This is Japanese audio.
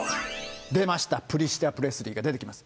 出ました、プリシラ・プレスリーが出てきます。